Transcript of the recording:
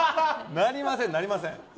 なりません、なりません。